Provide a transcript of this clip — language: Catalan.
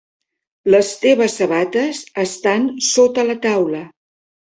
Les teves sabates estan sota la taula.